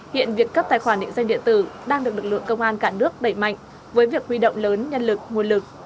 hiện việc cấp tài khoản định danh điện tử đang được lực lượng công an cả nước đẩy mạnh với việc huy động lớn nhân lực nguồn lực